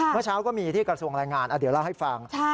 เมื่อเช้าก็มีที่กระทรวงแรงงานเดี๋ยวเล่าให้ฟัง